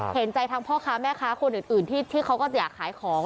เห็นใจทั้งพ่อค้าแม่ค้าคนอื่นที่เขาก็อยากขายของ